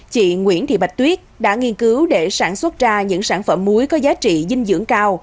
chị nguyễn thị bạch tuyết đã nghiên cứu để sản xuất ra những sản phẩm muối có giá trị dinh dưỡng cao